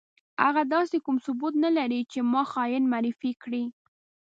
هغه داسې کوم ثبوت نه لري چې ما خاين معرفي کړي.